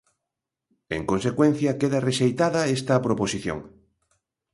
En consecuencia, queda rexeitada esta proposición.